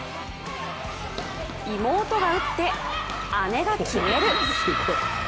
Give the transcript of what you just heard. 妹が打って、姉が決める。